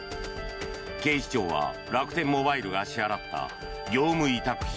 警視庁は楽天モバイルが支払った業務委託費